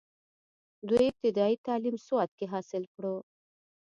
دوي ابتدائي تعليم سوات کښې حاصل کړو،